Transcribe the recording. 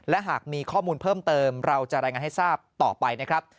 และหากมีข้อมูลเพิ่มเติมเราจะรายงานให้ทราบต่อไปนะครับ